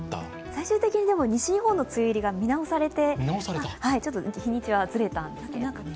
最終的に西日本の梅雨入りが見直されて、日にちは、ずれたんですけどね。